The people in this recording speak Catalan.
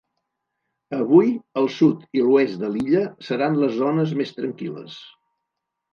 Avui el sud i l’oest de l’illa seran les zones més tranquil·les.